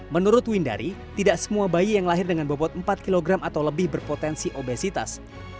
menurut windari tidak semua bayi yang lahir dengan bobot empat kg atau lebih berpotensi obesitas